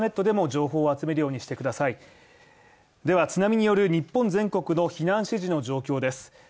では津波による日本全国の避難指示の状況です。